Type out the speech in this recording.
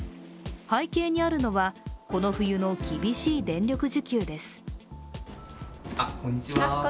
背景にあるのは、この冬の厳しい電力需給です。